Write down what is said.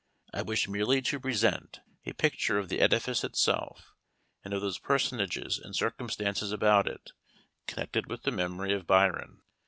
I wish merely to present a picture of the edifice itself, and of those personages and circumstances about it, connected with the memory of Byron.